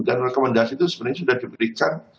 dan rekomendasi itu sebenarnya sudah diberikan